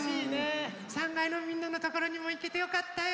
３がいのみんなのところにもいけてよかったよ。